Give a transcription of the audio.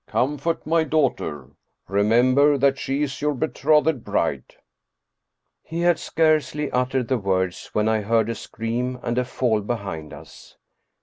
Com fort my daughter. Remember that she is your betrothed bride." He had scarcely uttered the words when I heard a scream and a fall behind us.